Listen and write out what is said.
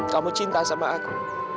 kamu cinta sama aku